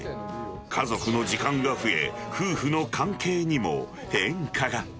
家族の時間が増え、夫婦の関係にも変化が。